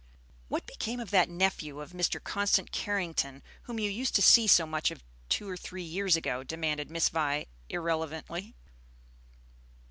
"What became of that nephew of Mr. Constant Carrington whom you used to see so much of two or three years ago?" demanded Miss Vi, irrelevantly.